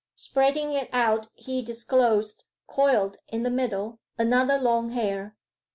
Spreading it out he disclosed, coiled in the middle, another long hair.